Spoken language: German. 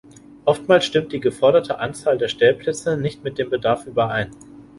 Oftmals stimmt die geforderte Anzahl der Stellplätze nicht mit dem Bedarf überein.